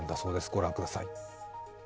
ご覧ください。